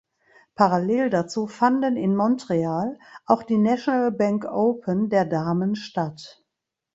Parallel dazu fanden in Montreal auch die National Bank Open der Damen statt.